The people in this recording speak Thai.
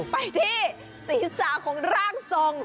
ไปที่ศีรษะของร่างทรง